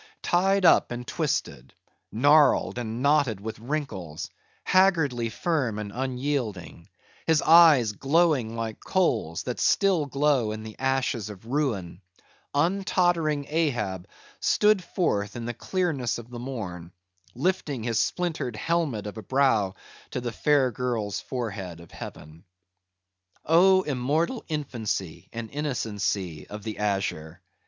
Tied up and twisted; gnarled and knotted with wrinkles; haggardly firm and unyielding; his eyes glowing like coals, that still glow in the ashes of ruin; untottering Ahab stood forth in the clearness of the morn; lifting his splintered helmet of a brow to the fair girl's forehead of heaven. Oh, immortal infancy, and innocency of the azure!